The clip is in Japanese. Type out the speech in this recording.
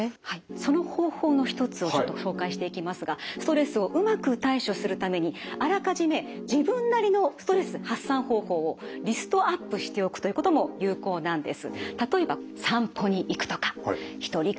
その方法の一つをちょっと紹介していきますがストレスをうまく対処するためにあらかじめ自分なりのストレス発散方法をリストアップしておくということも有効なんです。